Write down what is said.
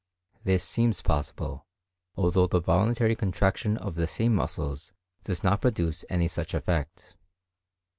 This seems possible, although the voluntary contraction of the same muscles does not produce any such effect.